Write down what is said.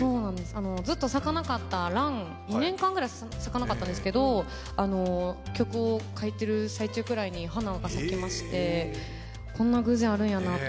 ずっと咲かなかった蘭、２年ぐらい咲かなかったんですけど曲を書いてる最中ぐらいに花が咲きましてこんな偶然あるんやなと。